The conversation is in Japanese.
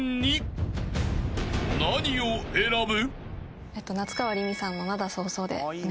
［何を選ぶ？］